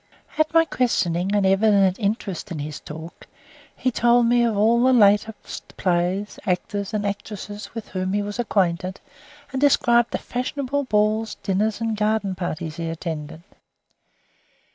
At my questioning and evident interest in his talk he told me of all the latest plays, actors, and actresses with whom he was acquainted, and described the fashionable balls, dinners, and garden parties he attended.